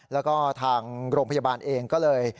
แล้วก็ทางโรงพยาบาลเองก็เลย